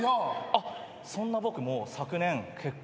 あっそんな僕も昨年結婚しまして。